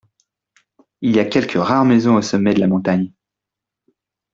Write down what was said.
Il y a quelques rares maisons au sommet de la montagne.